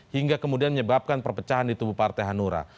hingga kemudian menyebabkan perpecahan di tubuh partai hanura